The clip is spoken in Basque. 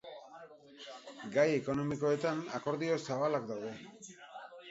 Gai ekonomikoetan akordio zabalak daude.